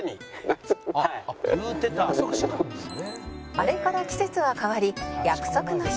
「あれから季節は変わり約束の日」